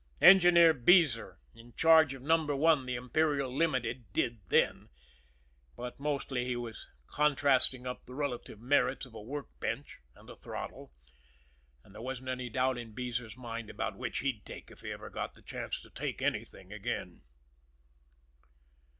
Engineer Beezer, in charge of Number One, the Imperial Limited, did then; but mostly he was contrasting up the relative merits of a workbench and a throttle, and there wasn't any doubt in Beezer's mind about which he'd take if he ever got the chance to take anything again.